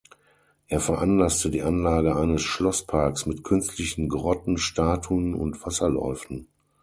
Er veranlasste die Anlage eines Schlossparks mit künstlichen Grotten, Statuen und Wasserläufen.